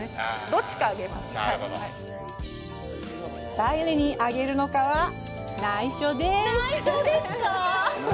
誰にあげるのかは内緒です。